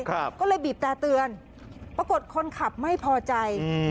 ก็เลยบีบแต่เตือนปรากฏคนขับไม่พอใจอืม